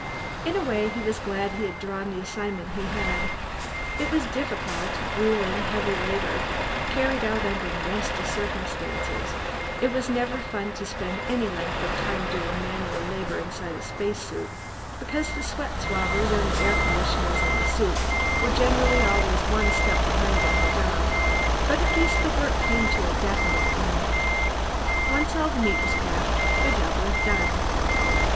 In a way he was glad he had drawn the assignment he had: it was difficult, gruelingly heavy labor, carried out under nasty circumstances it was never fun to spend any length of time doing manual labor inside a spacesuit, because the sweat swabbers and the air conditioners in the suit were generally always one step behind on the job but at least the work came to a definite end. Once all the meat was packed, the job was done.